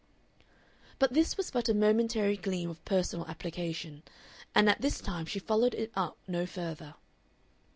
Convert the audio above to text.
But this was but a momentary gleam of personal application, and at this time she followed it up no further.